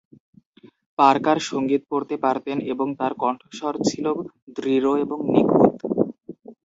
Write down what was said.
Parker সঙ্গীত পড়তে পারতেন এবং তার কণ্ঠস্বর ছিল দৃঢ় এবং নিখুঁত।